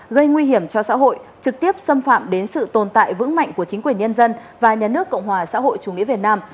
gây nguy hiểm cho xã hội trực tiếp xâm phạm đến sự tồn tại vững mạnh của chính quyền nhân dân và nhà nước cộng hòa xã hội chủ nghĩa việt nam